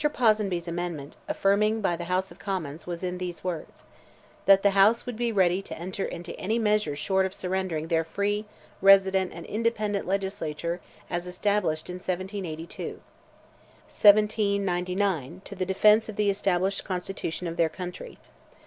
Ponsonby's amendment, affirmed by the House of Commons, was in these words:—"That the House would be ready to enter into any measure short of surrendering their free, resident and independent legislature as established in 1782." This was the ultimatum of the great party which rallied in January, 1799, to the defence of the established constitution of their country.